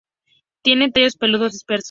Tiene tallos peludos dispersos.